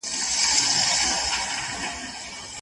نور پر دوی وه قرآنونه قسمونه